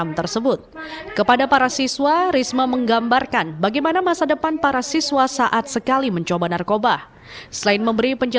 kita nemukan data di beberapa anak ini ada masalah mungkin yang harus kita selesaikan menyangkut kendakalan remaja